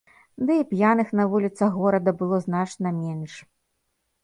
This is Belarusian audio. Ды і п'яных на вуліцах горада было значна менш.